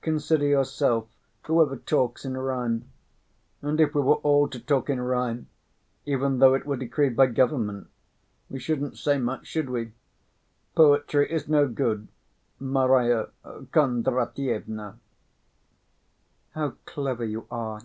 Consider yourself, who ever talks in rhyme? And if we were all to talk in rhyme, even though it were decreed by government, we shouldn't say much, should we? Poetry is no good, Marya Kondratyevna." "How clever you are!